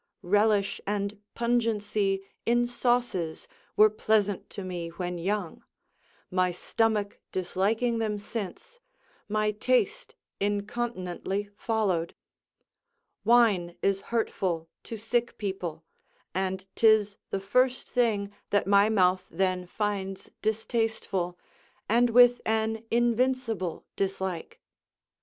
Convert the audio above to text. Relish and pungency in sauces were pleasant to me when young; my stomach disliking them since, my taste incontinently followed. Wine is hurtful to sick people, and 'tis the first thing that my mouth then finds distasteful, and with an invincible dislike.